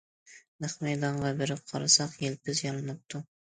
نەق مەيدانغا بېرىپ قارىساق يىلپىز يارىلىنىپتۇ.